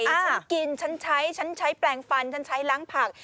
ฉันกินฉันใช้ฉันใช้แปลงฟันฉันใช้ล้างผัก